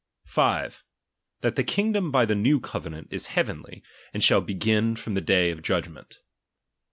5, That the kingdom by the new covenant is heavenly, and shall begin from the day of judgment.